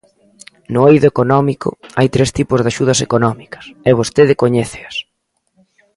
No eido económico, hai tres tipos de axudas económicas, e vostede coñéceas.